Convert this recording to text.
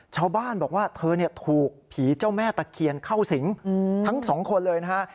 ชาวบ้านบอกว่าเธอถูกผีเจ้าแม่ตะเคียนเข้าสิงทั้งสองคนเลยนะฮะ